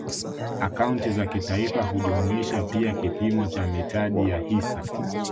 Akaunti za kitaifa hujumuisha pia kipimo cha mitaji ya hisa